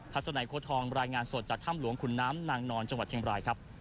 สนัยโค้ทองรายงานสดจากถ้ำหลวงขุนน้ำนางนอนจังหวัดเชียงบรายครับ